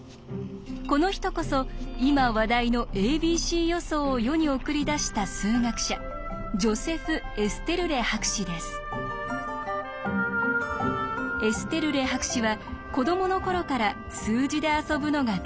この人こそ今話題の「ａｂｃ予想」を世に送り出した数学者エステルレ博士は子どもの頃から数字で遊ぶのが大好きだったそうです。